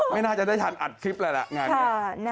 ไม่น่าจะได้ทันอัดคลิปเลยล่ะงานนี้